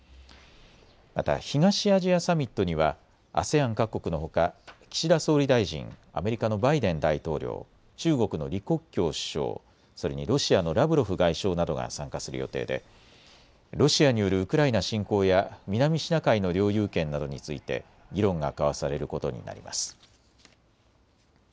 また東アジアサミットにはＡＳＥＡＮ各国のほか岸田総理大臣、アメリカのバイデン大統領、中国の李克強首相、それにロシアのラブロフ外相などが参加する予定でロシアによるウクライナ侵攻や南シナ海の領有権などについて議論が交わされることになります。